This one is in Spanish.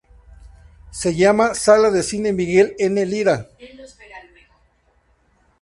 Se llama: "Sala de Cine Miguel N. Lira".